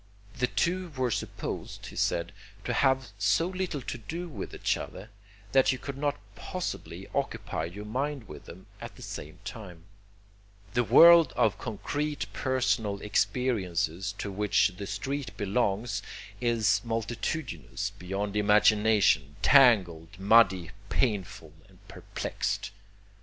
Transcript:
The two were supposed, he said, to have so little to do with each other, that you could not possibly occupy your mind with them at the same time. The world of concrete personal experiences to which the street belongs is multitudinous beyond imagination, tangled, muddy, painful and perplexed.